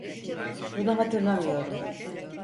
Bunu hatırlamıyorum.